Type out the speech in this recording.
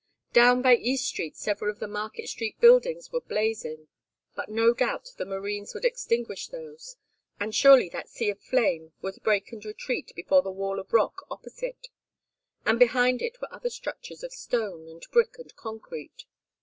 Down by East Street several of the Market Street buildings were blazing. But no doubt the marines would extinguish those, and surely that sea of flame would break and retreat before the wall of rock opposite; and behind it were other structures of stone and brick and concrete.